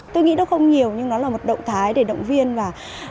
tôi nghĩ nó không nhiều nhưng nó là một động thái để động viên và